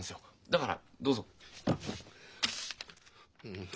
だからどうぞ。